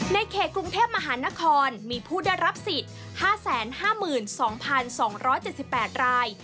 ในเขตกรุงเทพมหานครมีผู้ได้รับสิทธิ์๕๕๒๒๗๘ราย